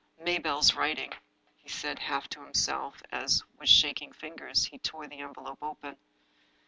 " Mabel's writing," he said, half to himself, as, with shaking fingers, he tore the envelope open.